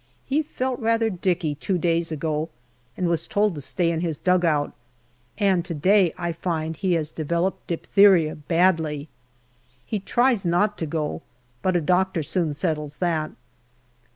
He felt rather dicky two days ago, and was told to stay in his dugout, and to day I find he has developed diphtheria badly. He tries not to go, but a doctor soon settles that.